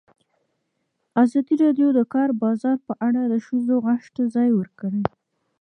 ازادي راډیو د د کار بازار په اړه د ښځو غږ ته ځای ورکړی.